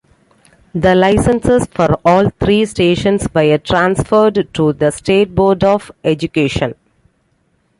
The licenses for all three stations were transferred to the state board of education.